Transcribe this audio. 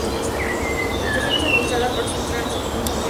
La estación es administrada por Sound Transit y King County Metro.